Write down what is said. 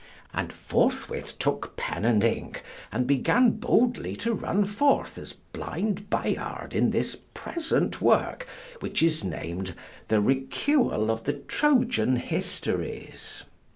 And forthwith took pen and ink, and began boldly to run forth as blind Bayard in this present work, which is named "The Recuyell of the Trojan Histories."